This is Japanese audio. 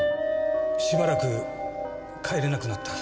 しばらく帰れなくなった。